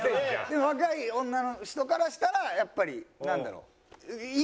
でも若い女の人からしたらやっぱりなんだろう。